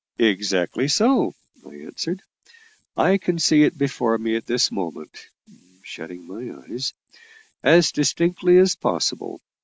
"Exactly so," I answered. "I can see it before me at this moment," shutting my eyes "as distinctly as possible.